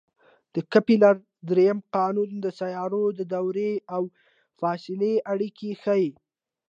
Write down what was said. د کپلر درېیم قانون د سیارو د دورې او فاصلې اړیکې ښيي.